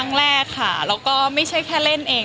ครั้งแรกค่ะแล้วก็ไม่ใช่แค่เล่นเอง